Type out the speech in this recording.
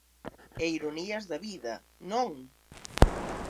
E ironías da vida, ¿non?